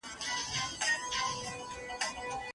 لا یې نه وه وزرونه غوړولي